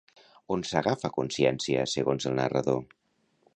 On s'agafa consciència, segons el narrador?